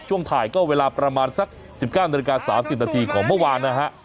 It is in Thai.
ถ่ายก็เวลาประมาณสัก๑๙นาฬิกา๓๐นาทีของเมื่อวานนะฮะ